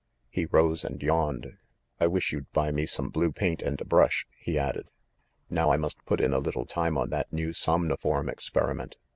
He rose and yawned. "I wish you'd buy me some blue paint and a brush," he added. "Now I must put in a little time on that new somnoform experiment.